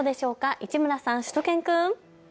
市村さん、しゅと犬くん。